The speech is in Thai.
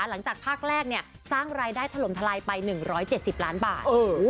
หลังจากภาคแรกสร้างรายได้ถล่มทลายไป๑๗๐ล้านบาท